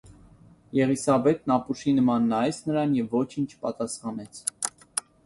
Եղիսաբեթն ապուշի նման նայեց նրան և ոչինչ չպատասխանեց: